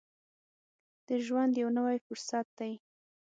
د ژوند یو نوی فرصت دی.